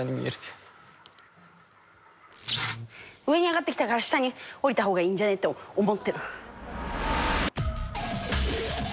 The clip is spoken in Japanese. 上に上がってきたから下に下りた方がいいんじゃねえと思ってる。